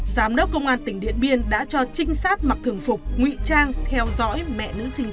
giám đốc công an tỉnh điện biên đã cho trinh sát mặc thường phục nguy trang theo dõi mẹ nữ sinh giao gà